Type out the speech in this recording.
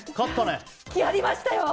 やりましたよ！